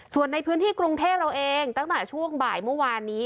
ส่วนในพื้นที่กรุงเทพเราเองตั้งแต่ช่วงบ่ายเมื่อวานนี้